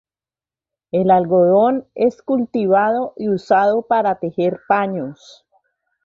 El algodón es cultivado y usado para tejer paños.